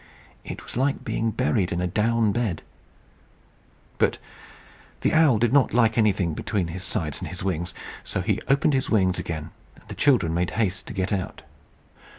It was like being buried in a down bed. But the owl did not like anything between his sides and his wings, so he opened his wings again, and the children made haste to get out.